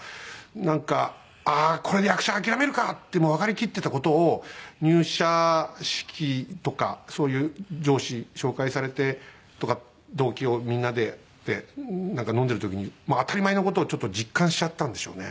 なんか「ああこれで役者諦めるか」ってもうわかりきってた事を入社式とかそういう上司紹介されてとか同期みんなでってなんか飲んでる時に当たり前の事をちょっと実感しちゃったんでしょうね。